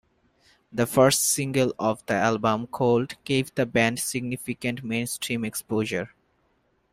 The first single off the album, "Cold," gave the band significant mainstream exposure.